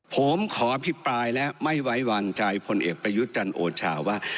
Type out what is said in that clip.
ผมขออภิปรายและไม่ไว้วางใจพลเอกประยุทธ์จันทร์โอชาว่า